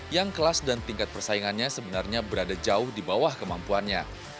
yang kelas dan tingkat persaingannya sebenarnya berada jauh di bawah kemampuannya